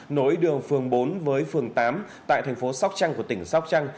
nối đường phường bốn với phường tám tại thành phố sóc trăng của tỉnh sóc trăng